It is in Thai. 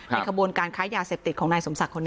ขบวนการค้ายาเสพติดของนายสมศักดิ์คนนี้